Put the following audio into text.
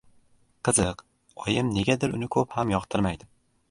Qiziq, oyim negadir uni ko‘p ham yoqtirmaydi.